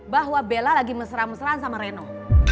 bahwa bella lagi mesra mesraan sama reno